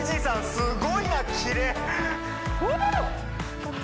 すごいなキレフー！